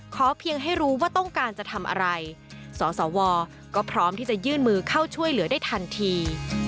เพียงให้รู้ว่าต้องการจะทำอะไรสสวก็พร้อมที่จะยื่นมือเข้าช่วยเหลือได้ทันที